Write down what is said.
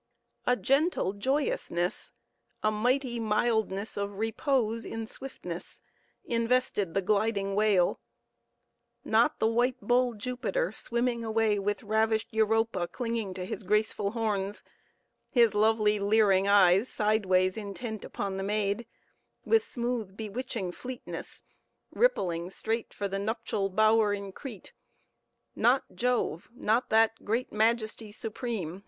A gentle joyousness—a mighty mildness of repose in swiftness, invested the gliding whale. Not the white bull Jupiter swimming away with ravished Europa clinging to his graceful horns; his lovely, leering eyes sideways intent upon the maid; with smooth bewitching fleetness, rippling straight for the nuptial bower in Crete; not Jove, not that great majesty Supreme!